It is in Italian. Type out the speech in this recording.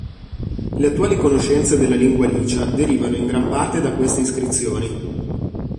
Le attuali conoscenze della lingua licia derivano in gran parte da queste iscrizioni.